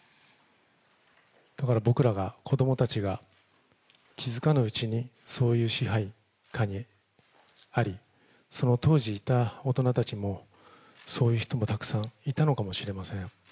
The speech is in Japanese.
だから、僕らが、子どもたちが気付かぬうちに、そういう支配下にあり、その当時いた大人たちも、そういう人もたくさんいたのかもしれません。